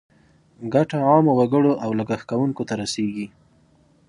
ګټه عامو وګړو او لګښت کوونکو ته رسیږي.